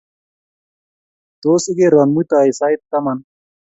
Tos ikeron mutai sait taman